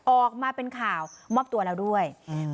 ออกมาเป็นข่าวมอบตัวแล้วด้วยอืม